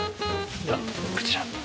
ではこちら。